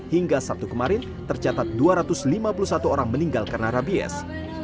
hingga sabtu kemarin tercatat dua ratus lima puluh satu orang meninggal karena rabies